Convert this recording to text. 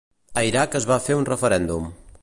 A Iraq es va fer un referèndum